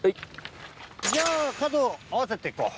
じゃあ角合わせて行こう。